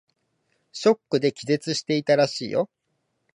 ショックで気絶していたらしいよ。